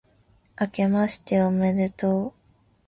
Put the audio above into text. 明けましておめでとう